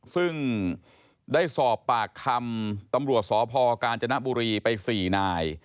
ซึ่งได้สอบปากคำตำรวจสพกาญจนบุรีไป๔นาย